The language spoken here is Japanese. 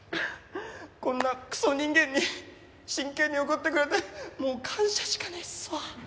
こんなクソ人間に真剣に怒ってくれてもう感謝しかねえっすわ。